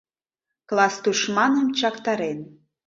Класс тушманым чактарен;